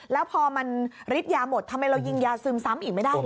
แล้วพอมันฤทธิ์ยาหมดทำไมเรายิงยาซึมซ้ำอีกไม่ได้เหรอ